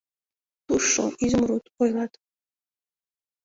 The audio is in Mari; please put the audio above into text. Тушшо — изумруд, ойлат.